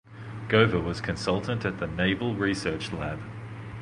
Gover was consultant at the Naval Research Lab.